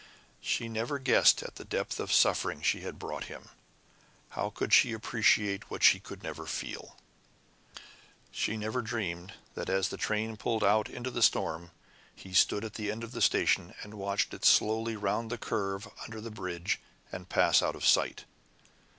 She never guessed at the depth of suffering she had brought him. How could she appreciate what she could never feel? She never dreamed that as the train pulled out into the storm he stood at the end of the station, and watched it slowly round the curve under the bridge and pass out of sight.